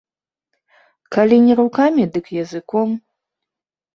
Калі не рукамі, дык языком.